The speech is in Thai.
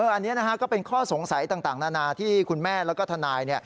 อันนี้ก็เป็นข้อสงสัยต่างนานาที่คุณแม่แล้วก็ทนาย